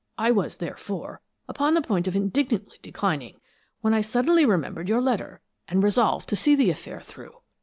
I was, therefore, upon the point of indignantly declining, when I suddenly remembered your letter, and resolved to see the affair through.